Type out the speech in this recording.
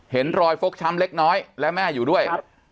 เห็นรอยฟกช้ำเล็กน้อยและแม่อยู่ด้วย